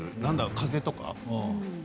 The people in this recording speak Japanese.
風とか？